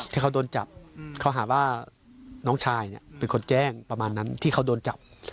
ที่เขาโดนจับเขาหาว่าน้องชายเนี่ยเป็นคนแจ้งประมาณนั้นที่เขาโดนจับ